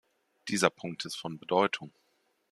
Dieser Punkt ist von Bedeutung.